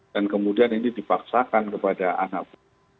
dan kemudian ini dipaksakan kepada anak buah